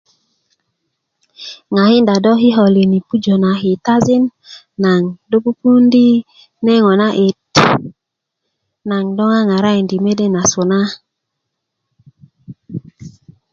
ŋakinda do kikolin yi pujö na kitajin naŋ do pupuwundi neŋo na 'dit naŋ do ŋaŋarakindi mede nasu na